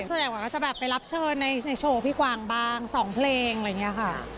ส่วนใหญ่วันก็จะแบบไปรับเชิญในโชว์พี่กวางบ้าง๒เพลงอะไรอย่างนี้ค่ะ